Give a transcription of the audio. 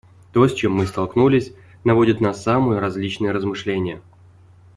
То, с чем мы столкнулись, наводит на самые различные размышления.